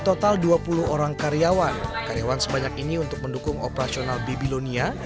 total dua puluh orang karyawan karyawan sebanyak ini untuk mendukung operasional babylonia